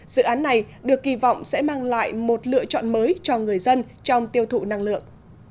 dự án này được kỳ vọng sẽ mang lại một lựa chọn mới cho người dân trong tiêu thụ năng lượng